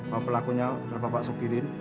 bahwa pelakunya adalah bapak soekirin